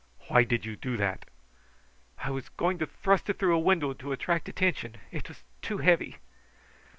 "Why did you do that?" "I was going to thrust it through a window to attract attention. It was too heavy."